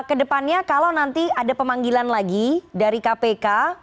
kedepannya kalau nanti ada pemanggilan lagi dari kpk